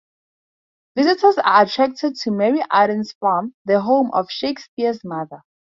Visitors are attracted to Mary Arden's Farm, the home of Shakespeare's mother.